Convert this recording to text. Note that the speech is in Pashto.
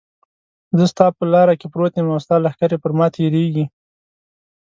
زه ستا په لاره کې پروت یم او ستا لښکرې پر ما تېرېږي.